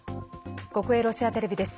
国営ロシアテレビです。